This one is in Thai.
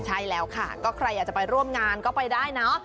ใช่แล้วค่ะก็ใครอยากจะไปร่วมงานก็ไปได้เนอะ